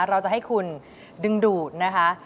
เราจะให้คุณดึงดูด